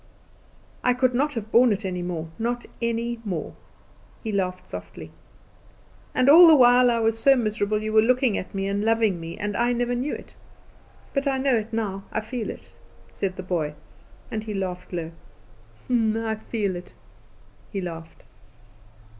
I could not have borne it any more, not any more." He laughed softly. "And all the while I was so miserable you were looking at me and loving me, and I never knew it. But I know it now. I feel it," said the boy, and he laughed low; "I feel it!" he laughed.